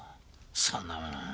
そんなもの。